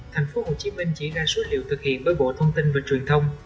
thành phố hồ chí minh chỉ ra số liệu thực hiện bởi bộ thông tin và truyền thông